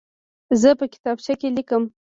زه په کتابچه کې لیکم.